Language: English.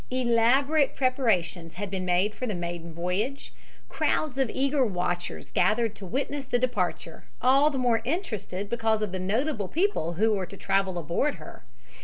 Elaborate preparations had been made for the maiden voyage. Crowds of eager watchers gathered to witness the departure, all the more interested because of the notable people who were to travel aboard her.